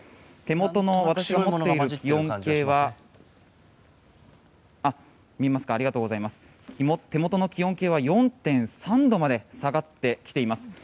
手元の私が持っている気温計は４．３度まで下がってきています。